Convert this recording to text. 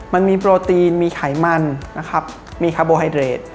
มันมีโปรตีนมีไขมันมีคาร์โบไฮเดรต